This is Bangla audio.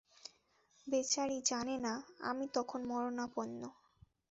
বেচারী জানে না আমি তখন মরণাপন্ন।